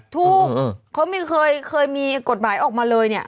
ถูกเขาเคยมีกฎหมายออกมาเลยเนี่ย